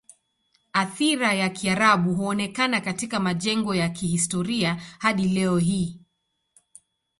Athira ya Kiarabu huonekana katika majengo ya kihistoria hadi leo hii.